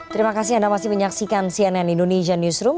terima kasih anda masih menyaksikan cnn indonesia newsroom